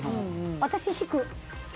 私は引く。